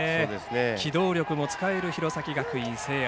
機動力も使える弘前学院聖愛。